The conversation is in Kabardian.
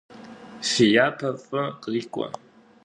Фи япэ фӏы кърикӏуэ.